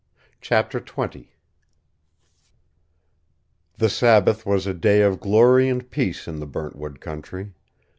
CHAPTER XX The Sabbath was a day of glory and peace in the Burntwood country.